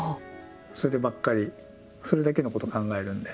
そればっかりそれだけのことを考えるんで。